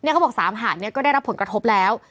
เขาบอก๓หาดนี้ก็ได้รับผลกระทบแล้ว